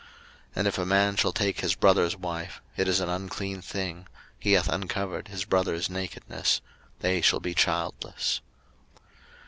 03:020:021 And if a man shall take his brother's wife, it is an unclean thing: he hath uncovered his brother's nakedness; they shall be childless.